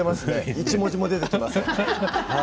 １文字も出てきません。